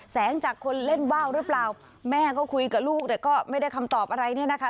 แสงจากคนเล่นว่าวหรือเปล่าแม่ก็คุยกับลูกแต่ก็ไม่ได้คำตอบอะไรเนี่ยนะคะ